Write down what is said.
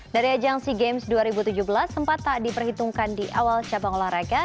dari ajang sea games dua ribu tujuh belas sempat tak diperhitungkan di awal cabang olahraga